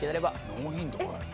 ノーヒントかよ。